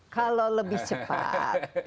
kalau lebih cepat